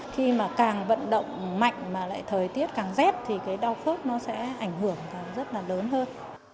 khi mà càng vận động mạnh mà lại thời tiết càng rét thì cái đau khớp nó sẽ ảnh hưởng rất là lớn hơn